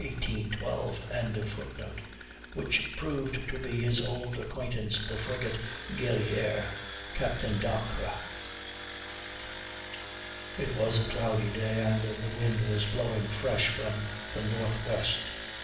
] which proved to be his old acquaintance, the frigate Guerrière, Captain Dacres. It was a cloudy day and the wind was blowing fresh from the northwest.